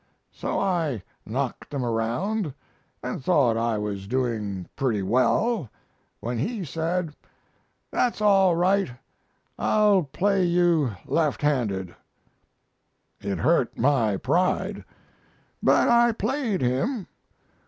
So I knocked them around, and thought I was doing pretty well, when he said, 'That's all right; I'll play you left handed.' It hurt my pride, but I played him.